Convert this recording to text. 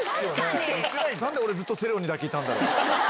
なんで俺、ずっとセレオにだけにいたんだろう。